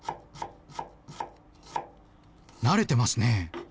慣れてますね。